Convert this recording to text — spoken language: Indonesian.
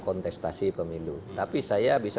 kontestasi pemilu tapi saya bisa